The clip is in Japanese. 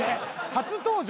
初登場。